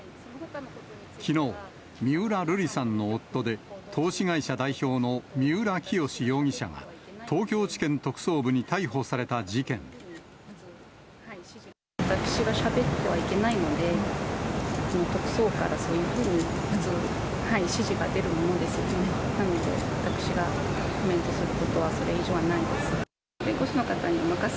きのう、三浦瑠麗さんの夫で投資会社代表の三浦清志容疑者が、東京地検特私がしゃべってはいけないので、特捜からそういうふうに指示が出るものですので、なので、私がコメントすることはそれ以上はないです。